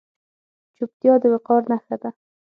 چوپتیا، د وقار نښه ده.